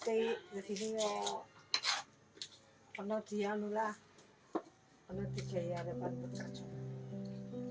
jadi ini kalau dia itu lah kalau dikaya lewat pekerjaan